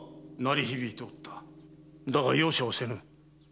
だが容赦はせぬ。